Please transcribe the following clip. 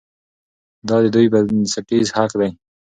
دا د دوی بنسټیز حق دی.